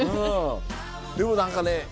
でも何かね